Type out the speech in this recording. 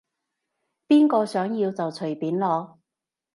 邊個想要就隨便攞